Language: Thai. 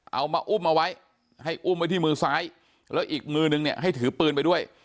เอามาอุ้มเอาไว้ให้อุ้มไว้ที่มือซ้ายแล้วอีกมือนึงเนี่ยให้ถือปืนไปด้วย